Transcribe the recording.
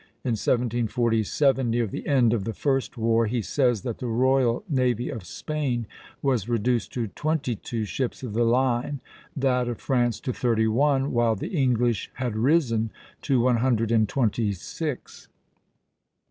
In 1747, near the end of the first war, he says that the royal navy of Spain was reduced to twenty two ships of the line, that of France to thirty one, while the English had risen to one hundred and twenty six.